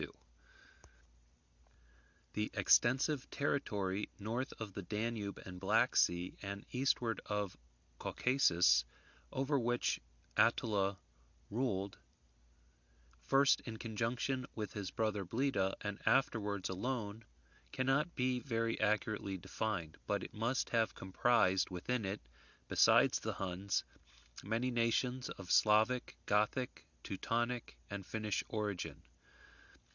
] The extensive territory north of the Danube and Black sea, and eastward of Caucasus, over which Attila ruled, first in conjunction with his brother Bleda, and afterwards alone, cannot be very accurately defined; but it must have comprised within it, besides the Huns, many nations of Slavic, Gothic, Teutonic, and Finnish origin.